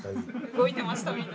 動いてましたみんな。